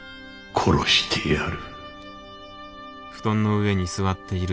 殺してやる。